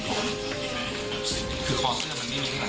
คือของเสื้อค่ะ